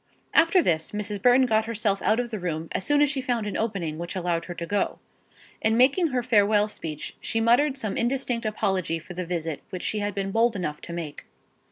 After this Mrs. Burton got herself out of the room as soon as she found an opening which allowed her to go. In making her farewell speech, she muttered some indistinct apology for the visit which she had been bold enough to make.